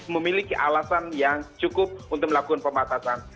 memiliki alasan yang cukup untuk melakukan pembatasan